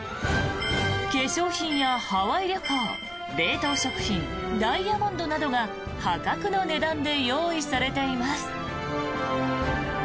化粧品やハワイ旅行冷凍食品、ダイヤモンドなどが破格の値段で用意されています。